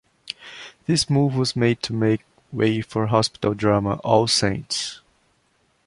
This move was made to make way for hospital drama "All Saints".